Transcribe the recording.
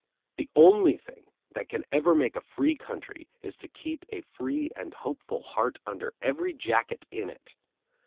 The only thing that can ever make a free country is to keep a free and hopeful heart under every jacket in it.